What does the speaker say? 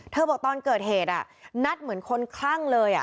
บอกตอนเกิดเหตุนัดเหมือนคนคลั่งเลย